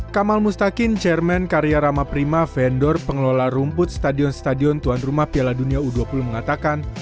kamal mustakin chairman karya rama prima vendor pengelola rumput stadion stadion tuan rumah piala dunia u dua puluh mengatakan